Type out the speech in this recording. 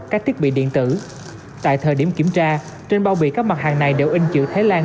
các thiết bị điện tử tại thời điểm kiểm tra trên bao bì các mặt hàng này đều in chữ thái lan